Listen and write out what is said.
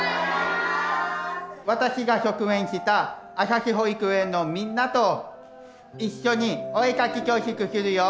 私が卒園した朝日保育園のみんなと一緒にお絵かき教室するよ！